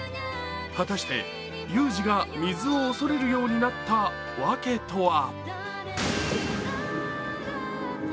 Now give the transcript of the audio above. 果たして雄司が水を恐れるようになったわけとは？